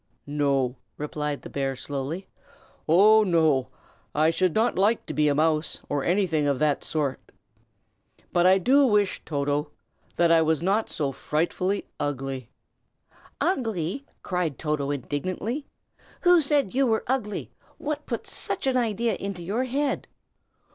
"No!" replied the bear, slowly, "oh, no! I should not like to be a mouse, or anything of that sort. But I do wish, Toto, that I was not so frightfully ugly!" "Ugly!" cried Toto, indignantly, "who said you were ugly? What put such an idea into your head?"